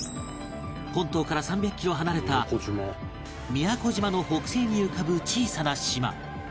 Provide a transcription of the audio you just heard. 本島から３００キロ離れた宮古島の北西に浮かぶ小さな島